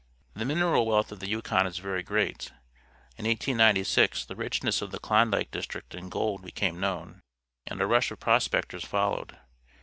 The minera l wealt h of the Yukon isj^ery great. In 1896 the richness of the Klondike district in gold became known, and a rush of prospectors followed.